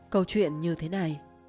câu chuyện như thế này